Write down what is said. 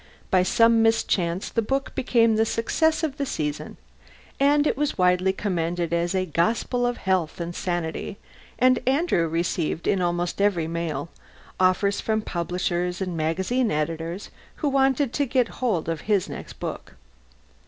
By some mischance the book became the success of the season; it was widely commended as "a gospel of health and sanity" and Andrew received, in almost every mail, offers from publishers and magazine editors who wanted to get hold of his next book.